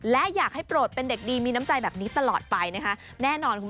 และอยากให้โปรดเป็นเด็กดีมีน้ำใจแบบนี้ตลอดไปนะคะ